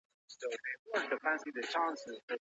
ایا مسلکي بڼوال خندان پسته صادروي؟